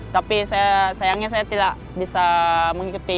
tapi sayangnya saya tidak bisa mengikuti eventnya itu